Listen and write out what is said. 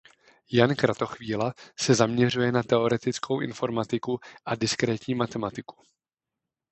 Jan Kratochvíla se zaměřuje na teoretickou informatiku a diskrétní matematiku.